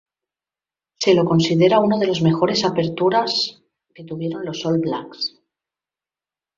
Se lo considera uno de los mejores aperturas que tuvieron los All Blacks.